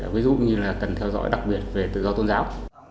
cũng như là cần theo dõi đặc biệt về tự do tôn giáo